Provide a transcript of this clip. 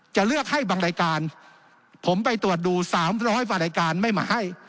จะเลือกให้บางรายการผมไปตรวจดู๓๐๐กว่ารายการไม่มาให้